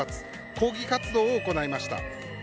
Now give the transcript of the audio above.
抗議活動を行いました。